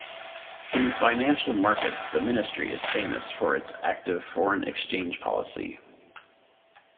In financial markets, the Ministry is famous for its active foreign exchange policy.